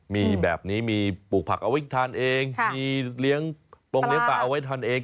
มีแบบนี้มีปลูกผักเอาไว้ทานเองมีเลี้ยงปงเลี้ยปลาเอาไว้ทานเอง